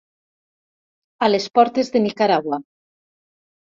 A les portes de Nicaragua.